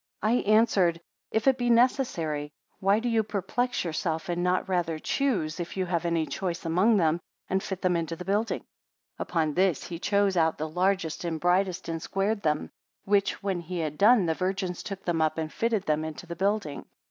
77 I answered; If it be necessary, why do you perplex yourself, and not rather choose, if you have any choice among them, and fit them into the building. 78 Upon this he chose out the largest and brightest, and squared them; which, when he had done the virgins took them up, and fitted them into the building.